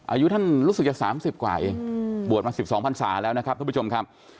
อายุท่านรู้สึกจะ๓๐กว่าเองบวชมา๑๒พันศาแล้วนะครับทุกผู้ชมครับ